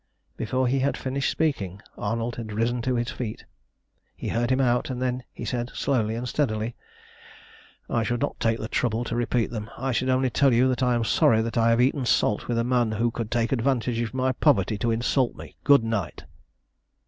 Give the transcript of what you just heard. Before he had finished speaking Arnold had risen to his feet. He heard him out, and then he said, slowly and steadily "I should not take the trouble to repeat them; I should only tell you that I am sorry that I have eaten salt with a man who could take advantage of my poverty to insult me. Good night."